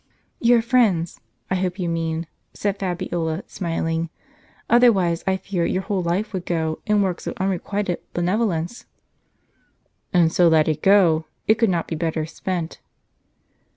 "Tour friends, I hope you mean," said Fabiola, smiling; " otherwise I fear your whole life would go, in works of unre quited benevolence." " And so let it go; it could not be better spent."